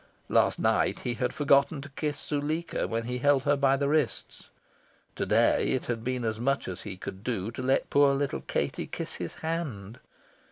Last night, he had forgotten to kiss Zuleika when he held her by the wrists. To day it had been as much as he could do to let poor little Katie kiss his hand.